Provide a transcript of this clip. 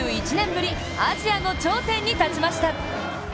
ぶりアジアの頂点に立ちました。